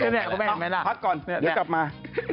คุณแม่พักก่อนเดี๋ยวกลับมา